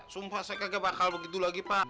sumpah saya kagak bakal begitu lagi pak